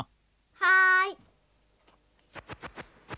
はい。